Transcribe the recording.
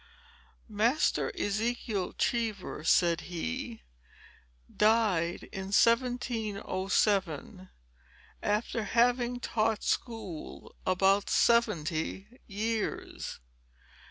"Master Ezekiel Cheever," said he, "died in 1707, after having taught school about seventy years.